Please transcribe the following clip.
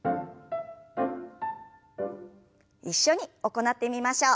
一緒に行ってみましょう。